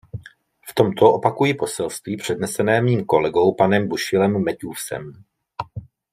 V tomto opakuji poselství přednesené mým kolegou panem Bushillem-Matthewsem.